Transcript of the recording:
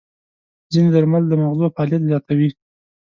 ځینې درمل د ماغزو فعالیت زیاتوي.